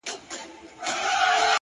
نور د نورو لېوني دې کبرجنې!!